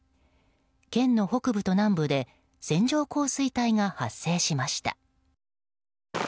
県の北部と南部で線状降水帯が発生しました。